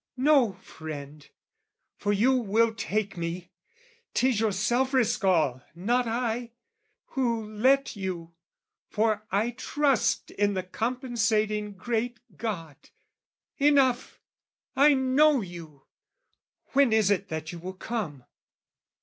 "No, friend, for you will take me! 'Tis yourself "Risk all, not I, who let you, for I trust "In the compensating great God: enough! "I know you: when is it that you will come?"